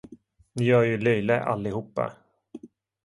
Ni gör er ju löjliga allihop.